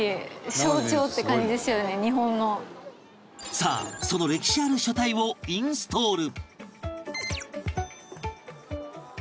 さあその歴史ある書体をインストール